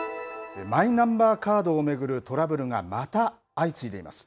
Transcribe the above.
マイナンバーカードを巡るトラブルがまた相次いでいます。